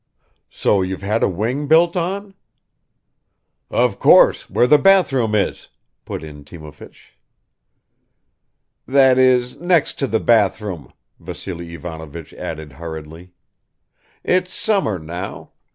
"So you've had a wing built on?" "Of course, where the bathhouse is," put in Timofeich. "That is next to the bathroom," Vassily Ivanovich added hurriedly. "It's summer now